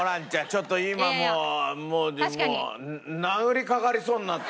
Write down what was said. ちょっと今もう殴りかかりそうになったわ。